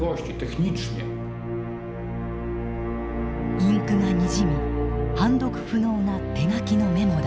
インクがにじみ判読不能な手書きのメモだ。